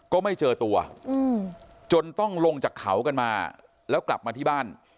ก็ไม่เจอตัวจนต้องลงจากเขากันมาแล้วกลับมาที่บ้าน